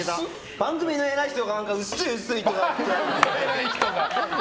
番組の偉い人が薄い、薄いって。